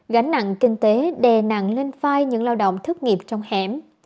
gánh nặng kinh tế đè nặng lên vai những lao động thất nghiệp trong hẻm